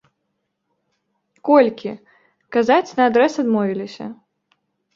Колькі, казаць наадрэз адмовіліся.